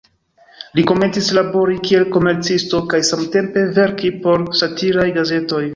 Li komencis labori kiel komercisto kaj samtempe verki por satiraj gazetoj.